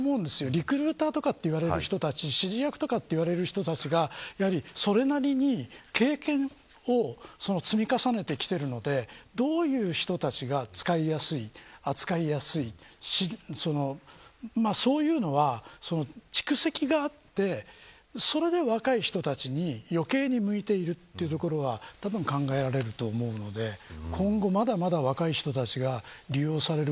リクルーターといわれる人たち指示役といわれる人たちがそれなりに経験を積み重ねてきているのでどういう人たちが使いやすい、扱いやすいそういうのは蓄積があってそれで若い人たちに余計に向いているというところはたぶん考えられると思うので今後、まだまだ若い人たちが利用される